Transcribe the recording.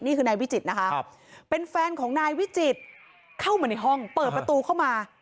นี่คือนายวิจิตรนะคะเป็นแฟนของนายวิจิตรเข้ามาในห้องเปิดประตูเข้ามา